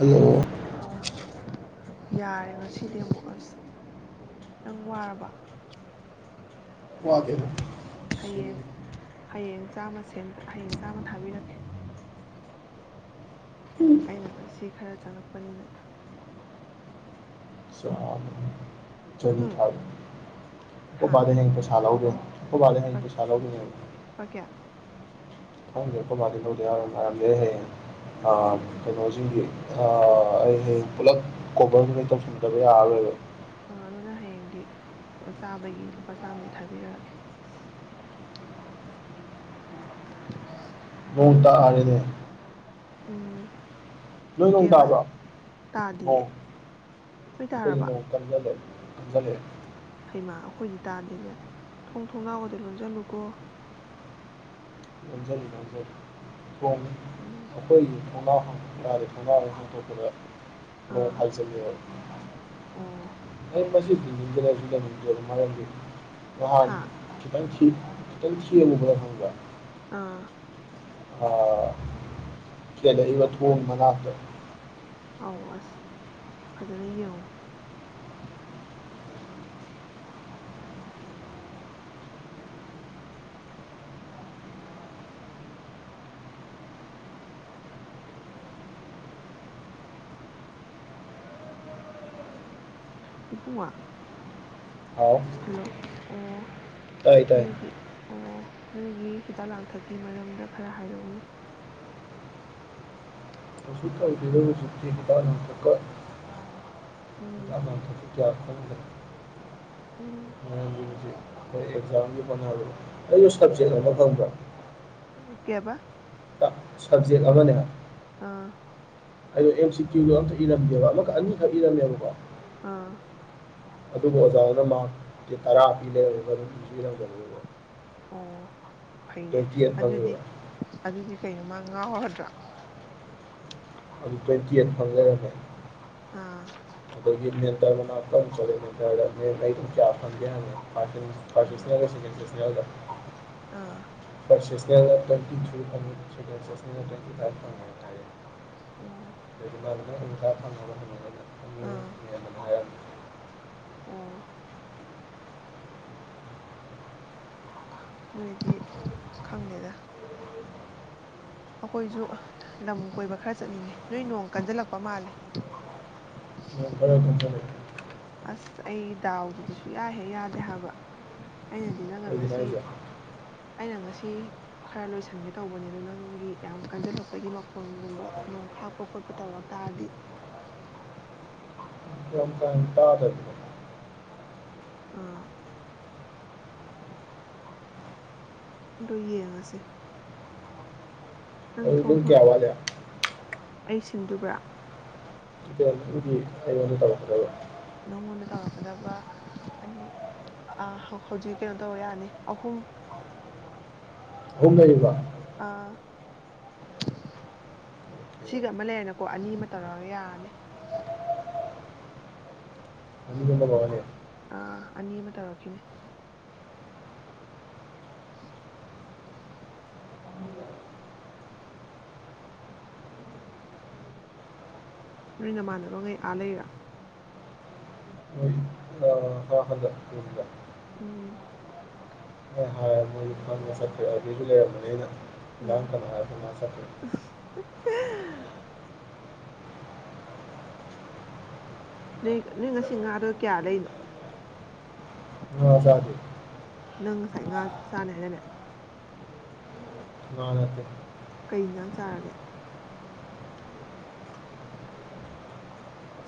ꯎ [unintelligible] ꯑꯣ ꯌꯥꯔꯦ ꯉꯁꯤꯗꯤ ꯑꯃꯨꯛ ꯑꯁ ꯅꯡ ꯋꯥꯔꯕ ꯋꯥꯗꯦꯗ ꯁꯨꯝ ꯍꯌꯦꯡ ꯍꯌꯦꯡ ꯆꯥꯝꯃ ꯍꯌꯦꯡ ꯆꯥꯝꯃ ꯊꯥꯕꯤꯔꯛꯀꯦ ꯑꯩꯅ ꯉꯁꯤ ꯈꯔ ꯆꯪꯉꯛꯄ ꯅꯨꯃꯤꯠꯅꯤ ꯆꯝ ꯆꯥꯅꯤ ꯎꯝ ꯊꯔ ꯍꯥ ꯑꯣꯕꯔꯅ ꯑꯩ ꯄꯁꯥ ꯂꯧꯗ ꯑꯈꯨꯕꯗꯩꯩ ꯍꯌꯦꯪ ꯂꯨꯄꯥ ꯄꯩꯁ ꯂꯧꯗꯣꯏꯅꯦꯕ ꯀꯌꯥ ꯈꯉꯗꯦ ꯑꯈꯨꯕꯗꯩꯩ ꯂꯧꯗ ꯌꯥꯔꯣꯏ ꯃꯔꯝꯗꯤ ꯍꯌꯦꯪ ꯑ ꯍꯣꯏ ꯀꯩꯅꯣꯖꯤꯒꯤ ꯑꯩ ꯍꯌꯦꯪ ꯄꯨꯂꯞ ꯀꯣꯕꯔꯁꯤ ꯂꯣꯏꯅ ꯇꯧꯖꯤꯟꯗꯔ꯭ꯗꯤ ꯌꯔꯔꯣꯏꯕ ꯑꯥ ꯑꯗꯨꯅ ꯍꯌꯦꯡꯗꯤ ꯆꯥꯕꯒꯤ ꯂꯨꯄꯥ ꯆꯥꯝꯒꯤ ꯊꯥꯕꯤꯔꯛꯑꯒꯦ [inaudible] ꯅꯣꯡ ꯇꯥꯔꯦꯅꯦ ꯎꯝ ꯅꯣꯏ ꯅꯣꯡ ꯀꯦꯕ ꯇꯥꯕ꯭ꯔꯣ ꯇꯥꯗꯤꯌꯦ ꯅꯣꯡ ꯅꯣꯏ ꯑꯩꯈꯣꯏꯗꯤ ꯇꯥꯔꯕ ꯅꯣꯡ ꯀꯟꯖꯜꯂꯦ ꯀꯟꯖꯜꯂꯦ ꯍꯩꯃ ꯑꯩꯈꯣꯏꯗꯤ ꯇꯥꯗꯦꯅꯦ ꯊꯣꯡ ꯊꯣꯡꯅꯥꯎꯒꯗꯣ ꯂꯣꯟꯖꯜꯂꯨꯀꯣ ꯂꯣꯟꯖꯜꯂꯤ ꯂꯣꯟꯖꯜꯂꯤ ꯀꯣꯝ ꯎꯝ ꯑꯩꯈꯣꯏꯒꯤ ꯊꯣꯡꯅꯥꯎ ꯍꯥꯡꯇꯣꯛ ꯌꯥꯔꯗꯤ ꯊꯣꯡꯅꯥꯎ ꯍꯥꯡꯇꯣꯛꯄꯗ ꯅꯣꯡ ꯑꯥ ꯍꯥꯏꯖꯜꯂꯦ ꯑꯣ [unintelligible] ꯍꯥ [unintelligible] ꯈꯤꯇꯪ ꯊꯦꯡꯉꯨꯕꯗ ꯈꯪꯕꯔ ꯑꯥ ꯑ ꯀꯦꯜꯂꯛꯏꯕ ꯊꯣꯡ ꯃꯅꯥꯛꯇ ꯑꯥꯎ ꯑꯁ ꯐꯖꯅ ꯌꯦꯡꯉꯨ ꯏꯄꯨꯡꯉꯣ ꯍꯥꯎ ꯍꯜꯂꯣ ꯑꯣ ꯇꯥꯏ ꯇꯥꯏ ꯅꯣꯏꯒꯤ ꯑꯣ ꯅꯣꯏꯒꯤ ꯍꯤꯗꯥꯛ ꯂꯥꯡꯊꯛꯀꯤ ꯃꯔꯝꯗ ꯈꯔ ꯍꯥꯏꯔꯛꯎꯅꯦ [unintelligible] ꯍꯤꯗꯥꯛ ꯂꯥꯡꯊꯛ ꯎꯝ ꯀꯌꯥ ꯐꯪ [unintelligible] ꯎꯝ ꯍꯣꯏ ꯑꯦꯛꯖꯥꯝꯒꯤ ꯍꯣꯠꯅꯕꯩ ꯁꯕꯖꯦꯛ ꯑꯃ ꯈꯪꯕ꯭ꯔꯥ ꯀꯩꯕ ꯇ- ꯁꯕꯖꯦꯛ ꯑꯃꯅꯦ ꯑꯥ ꯑꯩꯗꯣ ꯑꯦꯝ ꯁꯤ ꯀ꯭ꯌꯨꯗꯣ ꯑꯝꯇ ꯏꯔꯝꯗꯦꯕ ꯑꯃꯈꯛ ꯑꯅꯤꯈꯛ ꯏꯔꯝꯃꯦꯕꯀꯣ ꯑꯥ ꯑꯗꯨꯕꯨ ꯑꯣꯖꯥꯗꯨꯅ ꯃꯥꯛꯇꯤ ꯇꯔꯥ ꯄꯤ ꯂꯩꯔꯝꯃꯤꯕ ꯑꯗꯨꯝ ꯏꯖꯨ ꯏꯔꯝꯗꯕꯗꯨꯗ ꯑꯣ ꯐꯩꯅꯦ ꯇ꯭ꯋꯦꯟꯇꯤ ꯑꯩꯠ ꯑꯗꯨꯗꯤ ꯐꯪꯉꯦꯕ ꯑꯗꯨꯗꯤ ꯀꯩꯅꯣ ꯃꯥ ꯉꯥꯎꯔꯗ꯭ꯔꯥ ꯇ꯭ꯋꯦꯟꯇꯤ ꯑꯥꯏꯠ ꯐꯪ ꯂꯩꯔꯝꯃꯦ ꯑꯥ ꯑꯩꯈꯣꯏꯒꯤ ꯃꯦꯟꯇꯜ [unintelligible] [unintelligible] ꯎꯝ [unintelligible] ꯑꯥ [unintelligible] ꯑꯣ ꯑꯥ [unintelligible] ꯑꯣ ꯅꯣꯏꯗꯤ ꯈꯪꯗꯦꯗ ꯑꯩꯈꯣꯏꯁꯨ ꯂꯝ ꯀꯣꯏꯕ ꯈꯔ ꯆꯠꯅꯤꯡꯉꯦ ꯅꯣꯏ ꯅꯣꯡ ꯀꯟꯖꯜꯂꯛꯄ ꯃꯥꯜꯂꯦ ꯅꯣꯡ ꯈꯔ ꯀꯟꯁꯜꯂꯛꯑꯦ ꯑꯁ ꯑꯩ ꯗꯥꯎꯗꯨꯗꯤ ꯁꯨꯌꯥꯍꯦ ꯌꯥꯗꯦ ꯍꯥꯏꯕ ꯑꯩꯅꯗꯤ ꯅꯪ ꯀꯩꯒꯤꯅꯣ ꯉꯁꯤ ꯍꯥꯏꯁꯦ ꯑꯩꯅ ꯉꯁꯤ ꯈꯔ ꯂꯣꯏꯁꯤꯟꯒꯦ ꯇꯧꯕꯅꯦ ꯑꯗ ꯅꯪꯒꯤ ꯌꯥꯝ ꯀꯟꯁꯤꯜꯂꯣꯄꯒꯤ ꯃꯈꯣꯟꯒꯨꯝꯕ ꯅꯣꯡ ꯍꯥꯞꯄ ꯈꯣꯠꯄ ꯇꯧꯔ ꯇꯥꯔꯗꯤ ꯍ ꯇꯗꯣ [inaudible] ꯑꯥ ꯗꯤ ꯌꯦꯡꯉꯒꯦ ꯑ ꯑꯗꯨꯝ ꯀꯌꯥꯋꯥꯗ [inaudible] ꯑꯩ ꯁꯤꯟꯗꯨꯕ꯭ꯔꯥ ꯑꯩ ꯇꯕ ꯐꯕ [inaudible] ꯅꯉꯣꯟꯗ ꯇꯧꯔꯛꯀꯗꯕ ꯑꯅꯤ ꯍꯧꯖꯤꯛ ꯀꯩꯅꯣ ꯇꯧꯔ ꯌꯥꯅꯤ ꯑꯍꯨꯝ ꯑꯍꯨꯝ ꯂꯩꯔꯤꯕ [inaudible] ꯑ ꯁꯤꯒ ꯑꯃ ꯂꯩꯔꯦꯅꯀꯣ ꯑꯅꯤ ꯑꯃ ꯇꯧꯔꯒ ꯌꯥꯔꯅꯤ ꯑꯅꯤ ꯑꯃꯒ ꯋꯥꯠꯂꯤ ꯑꯥ ꯑꯅꯤ ꯑꯃ ꯇꯧꯔꯛꯈꯤꯅꯤ ꯅꯣꯏ ꯅꯃꯥꯟꯅꯕ ꯉꯩ ꯑꯥ ꯂꯩꯔꯥ ꯍ ꯍꯖꯦ ꯎ [inaudible] ꯎꯝ ꯃꯣꯏꯅ ꯍꯥꯏꯔ [unintelligible] [inaudible] ꯎꯝ ꯉ ꯁꯦ [inaudible] ꯅꯣꯏ ꯅꯣꯏ ꯉꯁꯤ ꯉꯥꯗ ꯀꯌꯥ ꯂꯩꯔꯤꯅꯣ [unintelligible] ꯅꯪ ꯉꯁꯥꯏ ꯉꯥ ꯆꯥꯅꯤ ꯍꯥꯏꯗꯥꯏꯅꯦ ꯉꯥ ꯅꯠꯇꯦ ꯀꯩ ꯏꯟꯖꯥꯡ ꯆꯥꯔꯒꯦ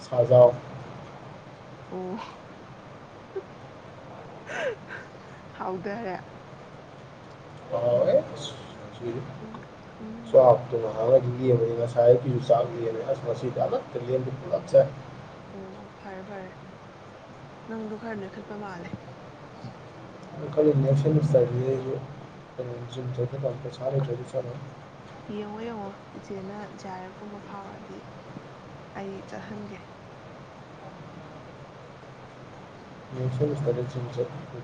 ꯁꯥꯖꯥꯎ [inaudible] ꯑꯣ [inaudible] ꯍꯥꯎꯗꯔꯦ ꯍꯥꯎꯋꯦ ꯎꯝ ꯎꯝ ꯁꯣꯇꯅꯥꯟꯂ ꯌꯂꯤꯌꯥ [inaudible] [unintelligible] ꯑꯣ ꯐꯔꯦ ꯐꯔꯦ ꯅꯪꯗꯣ ꯈꯔ ꯅꯦꯈꯠꯄ ꯃꯥꯜꯂꯦ ꯈꯜꯂꯤꯅꯦ ꯐꯦꯃꯤꯁꯇꯨꯝ [inaudible] [unintelligible] [unintelligible] ꯄꯩꯁꯥ ꯂꯩꯇꯔꯗꯤ ꯆꯠꯂꯣꯏ [inaudible] ꯌꯦꯡꯉꯣ ꯌꯦꯡꯉꯣ ꯏꯆꯦꯅ ꯖ ꯑꯥꯌꯔ ꯑꯦꯞ ꯀꯨꯝꯕ ꯐꯥꯎꯔꯗꯤ ꯑꯩ ꯆꯠꯍꯟꯒꯦ [inaudible]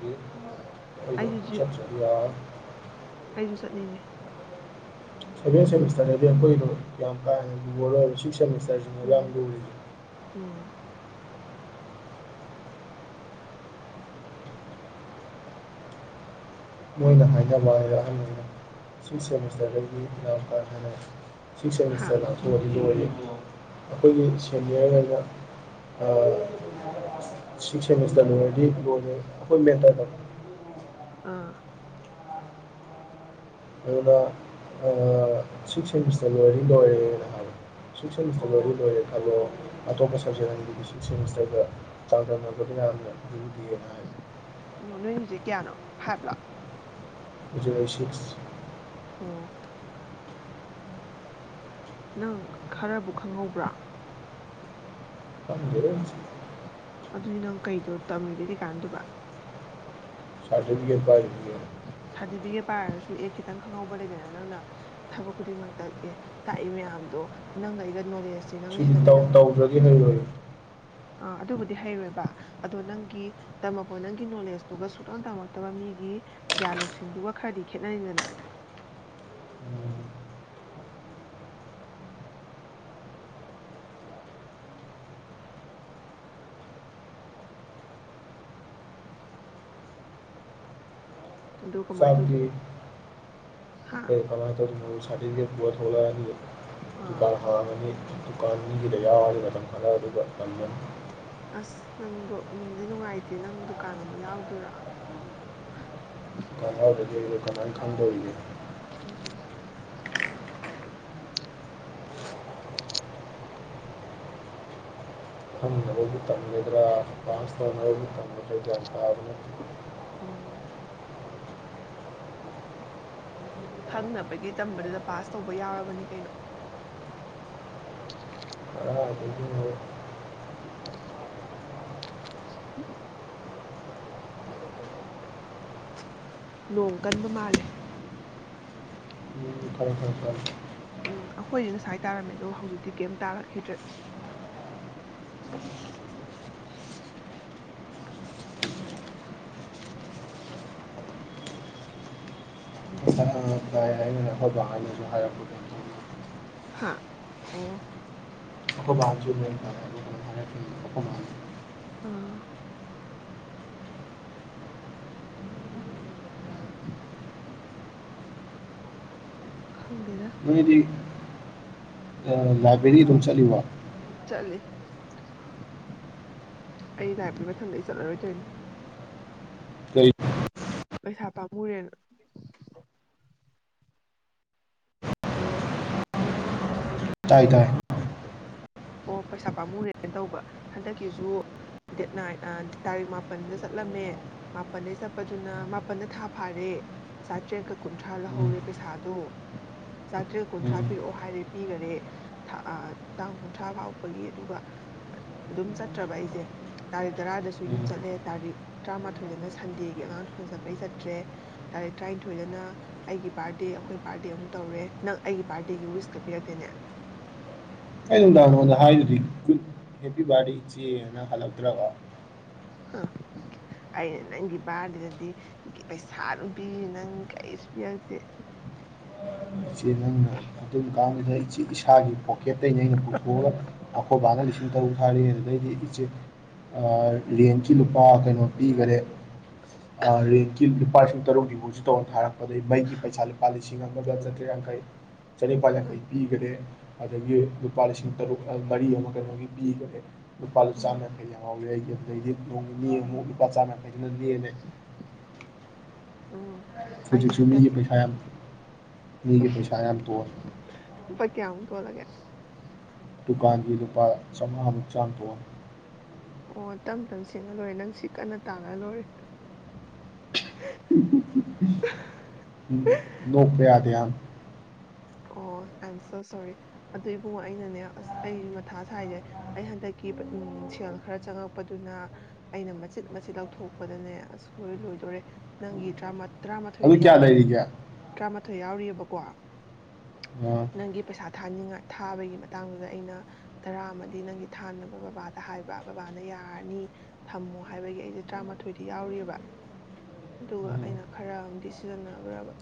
ꯑꯩꯁꯨ [unintelligible] ꯑꯩꯁꯨ [inaudible] ꯆꯠꯅꯤꯡꯉꯦ ꯁꯦꯚꯦꯟ ꯁꯦꯃꯤꯁꯇꯔꯗꯗꯤ ꯑꯩꯈꯣꯏꯗꯣ ꯌꯥꯝ ꯀꯥ ꯍꯟꯅ ꯂꯕꯔꯣꯏꯔ ꯁꯤꯛꯁ ꯁꯦꯃꯤꯁꯇꯔꯁꯤꯅꯦ ꯌꯥꯝ ꯎꯝ ꯂꯨꯔꯤꯁꯦ ꯎꯝ [unintelligible] ꯃꯣꯏꯅ ꯍꯥꯏꯅꯕ ꯍꯥꯏꯕ ꯑꯍꯟꯅ ꯁꯤ ꯁꯦꯃꯤꯁꯇꯔꯗꯒꯤꯗꯤ ꯌꯥꯝ ꯀꯥ ꯍꯦꯅ ꯁꯤꯛꯁ ꯍꯥ ꯁꯦꯃꯤꯁꯇꯔ [unintelligible] [inaudible] ꯑꯩꯈꯣꯏꯒꯤ ꯁꯦꯅꯤꯌꯔ ꯑꯣꯏꯅ ꯁꯤꯛꯁ ꯁꯦꯃꯤꯁꯇꯔ ꯂꯣꯏꯔꯗꯤ ꯂꯣꯟꯅꯦ ꯑꯩꯈꯣꯏ ꯃꯦꯟꯇ ꯇ ꯑꯥ ꯑꯗꯨꯅ ꯁꯤꯛꯁ ꯁꯦꯃꯤꯁꯇꯔ ꯂꯣꯏꯔꯤ ꯂꯣꯏꯔꯦꯅ ꯍꯥꯏ ꯁꯤꯛꯁ ꯁꯦꯃꯤꯁꯇꯔ ꯑꯣ ꯂꯣꯏꯔꯗꯤ ꯂꯣꯏꯔꯦ ꯈꯜꯂꯣ ꯑꯇꯣꯞꯄ ꯁꯕꯖꯦꯛ ꯑꯅꯤꯗꯨꯗꯤ ꯁꯤꯛꯁ ꯁꯦꯃꯤꯁꯇꯔꯒ ꯆꯥꯡꯗꯝꯅꯕꯗ ꯌꯥꯝꯅ ꯂꯨꯗꯦꯅ ꯍꯥꯏꯕ ꯑꯣ ꯅꯣꯏ ꯍꯧꯖꯤꯛ ꯀꯌꯥꯅꯣ ꯐꯥꯏꯕ꯭ꯂꯣ ꯍꯧꯖꯤꯛ ꯑꯩ ꯁꯤꯛꯁ ꯑꯣ ꯅꯪ ꯈꯔꯕꯨ ꯈꯪꯍꯧꯕ꯭ꯔꯥ ꯈꯪꯗꯦ ꯑꯗꯨꯗꯤ ꯅꯪ ꯀꯩꯗꯣ ꯇꯝꯃꯤꯕꯩ ꯀꯩ ꯀꯥꯟꯗꯨꯕ ꯁꯔꯇꯤꯐꯤꯀꯦꯠ ꯁꯥꯔꯇꯤꯐꯤꯀꯦꯠ ꯄꯥꯏꯔꯁꯨ ꯑꯦ ꯈꯤꯇꯪ ꯈꯪꯍꯧꯕ ꯂꯩꯗꯅ ꯅꯪꯅ ꯊꯕꯛ ꯈꯨꯗꯤꯡꯃꯛꯇ ꯑꯦ ꯇꯥꯛꯏ ꯃꯌꯥꯝꯗꯣ ꯅꯪꯒ ꯑꯩꯒ ꯅꯣꯂꯦꯖ ꯁꯤꯗꯤ ꯇꯧ ꯇꯧꯗ꯭ꯔꯗꯤ ꯍꯩꯔꯣꯏ ꯑꯥ ꯑꯗꯨꯕꯨꯗꯤ ꯍꯩꯔꯣꯏꯕ ꯑꯗꯣ ꯅꯪꯒꯤ ꯇꯝꯃꯛꯄ ꯅꯪꯒꯤ ꯅꯣꯂꯦꯖꯇꯨꯒ ꯁꯨꯛꯇꯝ ꯇꯝꯃꯛꯇꯕ ꯃꯤꯒꯤ ꯒ꯭ꯌꯥꯟ ꯂꯧꯁꯤꯡꯗꯨꯒ ꯈꯔꯗꯤ ꯈꯦꯠꯅꯔꯤꯗꯅ ꯑꯗꯨ ꯀꯃꯥꯏ ꯇꯧꯗꯣꯏꯅꯣ ꯍꯥ ꯑꯩ ꯀꯃꯥꯏ ꯇꯧꯗꯨꯅꯣ ꯁꯥꯔꯗꯤꯕꯤꯒꯦꯠ ꯄꯨꯔꯥ ꯊꯣꯔꯛꯑꯅꯤ ꯑꯥ ꯇꯨꯀꯥꯟ ꯍꯥꯡꯉꯥꯅꯤ ꯇꯗꯨꯀꯥꯟ ꯃꯤꯒꯤ ꯌꯥ ꯍꯥꯏꯒꯗ ꯄꯔ ꯑꯣꯗꯀ ꯀꯗ ꯑꯁ ꯅꯪꯗꯣ ꯅꯨꯡꯗꯤ ꯅꯨꯡꯉꯥꯏꯇꯦ ꯅꯪ ꯗꯨꯀꯥꯟ ꯑꯃꯨꯛ ꯌꯥꯎꯗꯣꯏꯔ ꯀꯅꯥꯗꯗꯤ ꯀꯃꯥꯏꯅ ꯈꯪꯗꯧꯔꯤꯒꯦ ꯎꯝ ꯈꯪꯅꯕꯕꯨ ꯇꯝꯒꯗ꯭ꯔꯥ ꯄꯥꯁ ꯇꯧꯅꯕꯕꯨ ꯇꯝꯒꯗ꯭ꯔꯥ ꯒ꯭ꯌꯥꯟ ꯇꯥꯕꯅꯠꯇꯦ ꯑꯣ ꯈꯪꯅꯕꯒꯤ ꯇꯝꯕꯗꯨꯗ ꯄꯥꯁ ꯇꯧꯕ ꯌꯥꯎꯔꯕꯅꯤ ꯀꯩꯅꯣ ꯑ ꯑꯗꯨ ꯍ ꯎꯝ ꯅꯣꯡ ꯀꯟꯕ ꯃꯥꯜꯂꯦ ꯐꯔꯦ ꯐꯔꯦ ꯐꯔꯦ ꯎꯝ ꯑꯩꯈꯣꯏꯗꯤ ꯉꯁꯁꯥꯏ ꯇꯥꯔꯝꯃꯦ ꯑꯗꯣ ꯍꯧꯖꯤꯛꯇꯤ ꯀꯩꯝ ꯇꯥꯔꯛꯈꯤꯗ꯭ꯔꯦ ꯌꯥ ꯍꯥꯏꯅ ꯑꯩꯈꯣꯏꯕꯍꯣꯏꯅꯁꯨ ꯍꯥꯏꯔꯛꯄ ꯍꯥ ꯑꯣ ꯑꯩꯈꯣꯏ ꯕꯥ ꯍꯣꯏꯖꯨ ꯑꯈꯣꯏꯃꯁꯨ ꯑꯥ ꯈꯪꯗꯦꯗ ꯅꯣꯏꯗꯤ ꯑꯥ ꯂꯥꯏꯕ꯭ꯔꯦꯔꯤ ꯑꯗꯨꯝ ꯆꯠꯂꯤꯕ ꯆꯠꯂꯤ ꯑꯩ ꯂꯥꯏꯕꯔꯤ ꯃꯊꯪꯗꯩ ꯆꯠꯂꯔꯣꯏ ꯇꯣꯏꯅꯤ ꯀꯔꯤ ꯄꯩꯁꯥ ꯄꯥꯝꯃꯨꯔꯦꯅ ꯍꯜꯂꯣ ꯇꯥꯏ ꯇꯥꯏ ꯑꯣ ꯄꯩꯁꯥ ꯄꯥꯝꯃꯨꯔꯦꯅ ꯇꯧꯕ ꯍꯟꯗꯛꯀꯤꯖꯨ ꯗꯦꯠ ꯅꯥꯏꯟ ꯇꯥꯔꯤꯛ ꯃꯥꯄꯜꯗ ꯆꯠꯂꯝꯃꯦ ꯃꯥꯄꯜꯗꯩ ꯆꯠꯄꯗꯨꯅ ꯃꯥꯄꯜꯗ ꯊꯥ ꯐꯥꯔꯦ ꯆꯥꯇ꯭ꯔꯦꯠꯀ ꯀꯨꯟꯊ꯭ꯔꯥ ꯎꯝ ꯂꯧꯍꯧꯔꯦ ꯄꯩꯁꯥꯗꯣ ꯆꯥꯇ꯭ꯔꯦꯠꯀ ꯎꯝ ꯀꯨꯟꯊ꯭ꯔꯥ ꯄꯤꯔꯛꯑꯣ ꯍꯥꯏꯔꯦ ꯄꯤꯈꯔꯦ ꯊꯥ ꯇꯥꯡ ꯀꯨꯟꯊ꯭ꯔꯥ ꯐꯥꯎꯕꯒꯤ ꯑꯗꯨꯒ ꯑꯗꯨꯝ ꯆꯠꯇ꯭ꯔꯕ ꯑꯩꯁꯦ ꯇꯥꯔꯤꯛ ꯇꯔꯥꯗꯁꯨ ꯌꯨꯝ ꯎꯝ ꯆꯠꯂꯦ ꯇꯥꯔꯤꯛ ꯇꯔꯥꯃꯥꯊꯣꯏꯗꯅ ꯁꯟꯗꯦꯒꯤ ꯑꯉꯥꯡ ꯇꯨꯁꯟ ꯆꯠꯄꯩ ꯆꯠꯇ꯭ꯔꯦ ꯇꯥꯔꯤꯛ ꯇꯔꯥꯅꯤꯊꯣꯏꯗꯅ ꯑꯩꯒꯤ ꯕꯥꯔꯗꯦ ꯑꯩꯈꯣꯏ ꯕꯥꯔꯗꯦ ꯑꯃꯨꯛ ꯇꯧꯔꯦ ꯅꯪ ꯑꯩꯒꯤ ꯕꯥꯔꯗꯦꯒꯤ ꯋꯤꯁꯀ ꯄꯤꯔꯛꯇꯦꯅꯦ ꯑꯩ ꯅꯨꯡꯗꯥꯡ ꯍꯝ ꯅꯉꯣꯟꯗ ꯍꯥꯏꯗꯨꯗꯤ ꯍꯦꯄꯤ ꯕꯥꯔꯗꯦ ꯏꯆꯦꯅ ꯈꯜꯂꯛꯇ꯭ꯔꯒ ꯍ ꯑꯩꯅ ꯅꯪꯒꯤ ꯕꯥꯔꯗꯦꯗꯗꯤ ꯄꯩꯁꯥ ꯑꯗꯨꯝ ꯄꯤ ꯅꯪ ꯀꯔꯤꯁꯨ ꯄꯤꯔꯛꯇꯦ꯫ ꯏꯆꯦ ꯅꯪꯅ ꯑꯗꯨꯝ ꯀꯥꯟꯗꯨꯗ ꯏꯆꯦ ꯏꯁꯥꯒꯤ ꯄꯣꯀꯦꯠꯇꯇꯩꯩꯅ ꯑꯩꯅ ꯄꯨꯊꯣꯛꯑꯒ ꯑꯩꯈꯣꯏꯕꯥꯅ ꯂꯤꯁꯤꯡ ꯇꯔꯨꯛ ꯊꯥꯔꯤꯑ ꯑꯗꯨꯗꯩꯗꯤ ꯏꯆꯦ ꯑꯥ ꯔꯦꯟꯀꯤ ꯂꯨꯄꯥ ꯀꯩꯅꯣ ꯄꯤꯒꯔꯦ ꯑꯥ ꯔꯦꯟꯀꯤ ꯂꯨꯄꯥ ꯂꯤꯁꯤꯡ ꯇꯔꯨꯛꯀꯤ ꯗꯤꯄꫭꯁꯤꯠ ꯇꯧꯔ ꯊꯥꯔꯛ ꯑꯗꯩ ꯃꯩꯒꯤ ꯄꯩꯁꯥ ꯂꯨꯄꯥ ꯂꯤꯁꯤꯡ ꯑꯃ ꯑꯃꯒ ꯆꯠ ꯃꯈꯩ ꯆꯅꯤꯄꯥꯜ ꯎꯝ ꯌꯪꯈꯩ ꯄꯤꯒꯔꯦ ꯑꯗꯒꯤ ꯂꯨꯄꯥ ꯂꯤꯁꯤꯡ ꯇꯔꯨꯛ ꯃꯔꯤ ꯑꯃ ꯀꯩꯅꯣꯒꯤ ꯄꯤꯒꯔꯦ꯫ ꯂꯨꯄꯥ ꯎꯝ ꯆꯥꯝꯃ ꯌꯪꯈꯩ ꯂꯦꯝꯍꯧꯏ ꯑꯧꯒꯤ꯫ ꯑꯗꯩꯗꯤ ꯅꯣꯡ ꯅꯤ-ꯅꯤ ꯑꯃꯨꯛ ꯂꯨꯄꯥ ꯆꯥꯝ ꯌꯪꯈꯩꯗꯨꯅ ꯂꯦꯝꯑꯦ꯫ ꯎꯝ ꯑꯩꯗꯤ ꯍꯧꯖꯤꯛꯁꯨ ꯃꯤꯒꯤ ꯍꯟꯗꯛꯀꯤ ꯄꯩꯁꯥ ꯌꯥꯝ ꯃꯤꯒꯤ ꯄꯩꯁꯥ ꯌꯥꯝ ꯇꫭꯟ ꯇꯣ ꯂꯒꯦ ꯗꯨꯀꯥꯟꯒꯤ ꯂꯨꯄꯥ ꯆꯥꯝꯃꯉꯥꯃꯨꯛ ꯆꯥꯡ ꯇꫭꯟ ꯑꯣ ꯇꯝ ꯇꯝ ꯁꯤꯡꯑ ꯂꯣꯏꯔꯦ ꯅꯪ ꯁꯤ ꯀꯟꯅ ꯇꯥꯒ ꯂꯣꯏꯔꯦ꯫ ꯅꫭꯛꯄ ꯌꯥꯗꯦ ꯌꯥꯝ꯫ ꯑꯣ ꯑꯥꯏ ꯑꯦꯝ ꯁꯣ ꯁꯣꯔꯤ ꯑꯗꯨ ꯏꯕꯨꯡꯉ ꯑꯩꯅꯅꯦ ꯑꯁ ꯑꯩꯁꯨ ꯃꯊꯥ ꯁꯥꯏꯖꯦ ꯑꯩ ꯍꯟꯗꯛꯀꯤ ꯄ ꯝꯝ ꯁꯦꯜ ꯈꯔ ꯆꯪꯉꯛꯄꯗꯨꯅꯥ ꯑꯩꯅ ꯃꯆꯤꯠ ꯃꯆꯦꯠ ꯂꯧꯊꯣꯛꯄꯗꯅꯦ ꯑꯁ ꯂꯣꯏ ꯂꯣꯏꯗꯣꯔꯦ ꯅꯪꯒꯤ ꯇꯔꯥꯃ ꯇꯔꯥꯃꯥꯊꯣꯏꯗ ꯑꯗꯨ ꯀꯌꯥ ꯌꯥꯎꯔꯤꯕ ꯂꯩꯔꯤꯒꯦ ꯇꯔꯥ ꯊ ꯌꯥꯎꯔꯤꯑꯕꯀꯣ ꯅꯪꯒꯤ ꯄꯩꯁꯥ ꯊꯥꯅꯤꯡꯉꯥꯏ ꯊꯥꯕꯒꯤ ꯃꯇꯥꯡꯗꯨꯗ ꯑꯩꯅ ꯇꯔꯥ ꯑꯃꯗꯤ ꯅꯪꯒꯤ ꯊꯥꯅꯕ ꯕꯕꯥꯗ ꯍꯥꯏꯕ ꯕꯕꯥꯅ ꯌꯥꯔꯅꯤ ꯊꯝꯃꯣ ꯍꯥꯏꯕꯒꯤ ꯑꯩꯁꯦ ꯇꯔꯥꯃꯥꯊꯣꯏꯗꯤ ꯌꯥꯎꯔꯤꯑꯕ ꯑꯗꯨꯒ ꯑꯩꯅ ꯈꯔ ꯑꯃꯗꯤ ꯁꯤꯖꯤꯟꯅꯈ꯭ꯔꯕ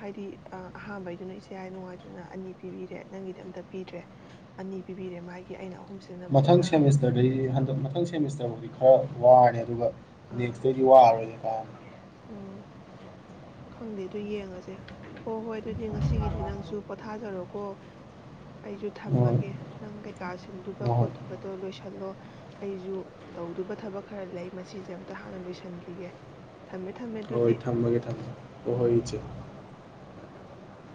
ꯍꯥꯏꯗꯤ ꯑ ꯑꯍꯥꯝꯕꯩꯗꯨꯅ ꯏꯆꯦ ꯑꯥꯏ ꯅꯨꯡꯉꯥꯏꯇꯅ ꯑꯅꯤ ꯄꯤꯕꯤꯔꯦ ꯅꯪꯒꯤꯗꯤ ꯑꯝꯇ ꯄꯤꯗ꯭ꯔꯦ ꯑꯅꯤ ꯄꯤꯕꯤꯔꯦ ꯃꯥꯒꯤ ꯑꯩꯅ ꯑꯍ ꯃꯊꯪ ꯁꯦꯃꯤꯁꯇꯔꯗꯩꯗꯤ ꯍꯟꯗꯛ ꯃꯊꯪ ꯁꯦꯃꯤꯁꯇꯔꯕꯨꯗꯤ ꯈꯔ ꯋꯥꯔ ꯑꯗꯨꯒ ꯑꯥ ꯅꯦꯛꯁꯇꯩꯗꯤ ꯋꯥꯔꯔꫭꯏꯗ ꯀꯥꯏ ꯎꯝ ꯈꯪꯗꯦ ꯑꯗꯨ ꯌꯦꯡꯉꯁꯦ ꯍꯣꯏ ꯍꯣꯏ ꯑꯗꯨꯗꯤ ꯉꯁꯤꯒꯤꯗꯤ ꯅꯪꯁꯨ ꯄꯣꯊꯥꯖꯔꯣꯀꯣ꯫ ꯑꯩꯁꯨ ꯍꯣꯏ ꯊꯝꯃꯒꯦ ꯅꯪꯒꯤ ꯀꯥ ꯁꯤꯟꯗꯨꯕ ꯍꯣꯏ ꯈꯣꯠꯇꯨꯕꯗꯣ ꯂꯣꯏꯁꯤꯜꯂꯣ ꯑꯩꯁꯨ ꯇꯧꯗꯨꯕ ꯊꯕꯛ ꯈꯔ ꯂꯩ ꯃꯁꯤꯁꯦ ꯑꯝꯇ ꯍꯥꯟꯅ ꯂꯣꯏꯁꯤꯟꯈꯤꯒꯦ ꯊꯝꯃꯦ ꯊꯝꯃꯦ꯫ ꯍꯣꯏ ꯑꯗꯨꯗꯤ ꯊꯝꯃꯒꯦ ꯊꯝꯃꯒꯦ꯫ ꯍꫭꯏ ꯎꯝ ꯍꫭꯏ ꯏꯆꯦ꯫